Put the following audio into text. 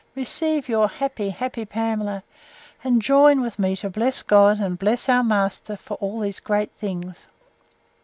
receive your happy, happy Pamela; and join with me to bless God, and bless our master, for all these great things!